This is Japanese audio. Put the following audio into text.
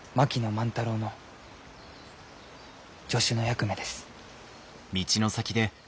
万太郎の助手の役目です。